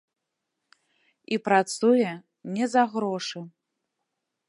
І працуе не за грошы.